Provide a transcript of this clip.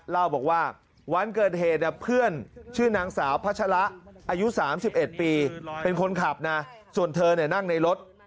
เล่าบอกว่าวันเกิดเหตุเพื่อนชื่อนางสาวพัชระอายุ๓๑ปีเป็นคนขับนะส่วนเธอนั่งในรถ